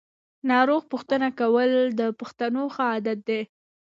ناروغ پوښتنه کول د پښتنو ښه عادت دی.